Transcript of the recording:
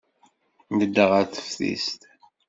Nedda ɣer teftist.